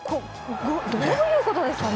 どういうことですかね？